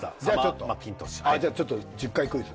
じゃあちょっと１０回クイズ。